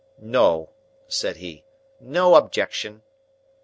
"No," said he. "No objection."